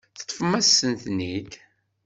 Teṭṭfem-asen-ten-id.